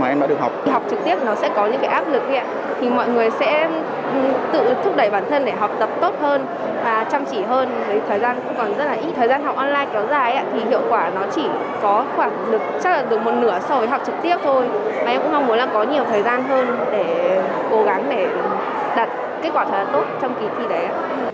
để cố gắng để đặt kết quả thật tốt trong kỳ thi đấy